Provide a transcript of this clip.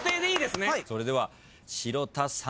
それでは城田さん